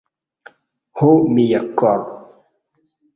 Ho mia kor'